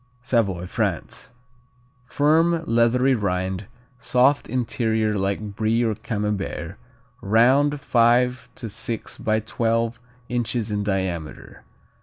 Savoy, France. Firm, leathery rind, soft interior like Brie or Camembert; round, five to six by twelve inches in diameter.